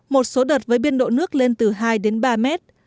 một số đợt với biên độ nước lên từ hai đến ba mét